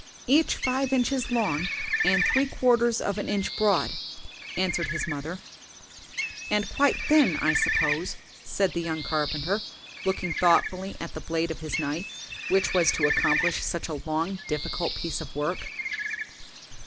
"Each five inches long, and three quarters of an inch broad," answered his mother. "And quite thin, I suppose," said the young carpenter, looking thoughtfully at the blade of his knife which was to accomplish such a long, difficult piece of work.